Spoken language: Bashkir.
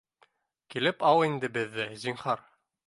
Килеп ал инде беҙҙе, зинһар.